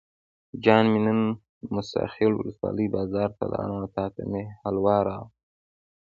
جان مې نن موسی خیل ولسوالۍ بازار ته لاړم او تاته مې حلوا راوړل.